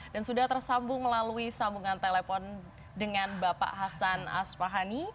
dan sudah tersambung melalui sambungan telepon dengan bapak hasan asfahani